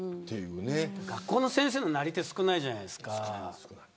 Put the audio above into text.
学校の先生もなり手が少ないじゃないですか。